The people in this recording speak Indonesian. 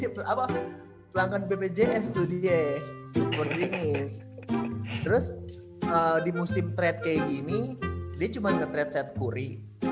pelanggan bbjs studio terus di musim kayak gini dia cuman ketret set kuri